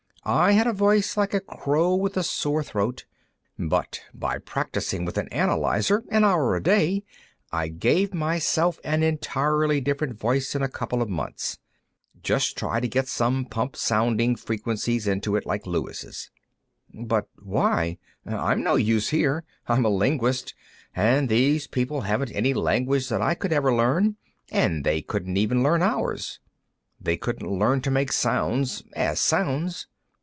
I had a voice like a crow with a sore throat, but by practicing with an analyzer, an hour a day, I gave myself an entirely different voice in a couple of months. Just try to get some pump sound frequencies into it, like Luis'." "But why? I'm no use here. I'm a linguist, and these people haven't any language that I could ever learn, and they couldn't even learn ours. They couldn't learn to make sounds, as sounds."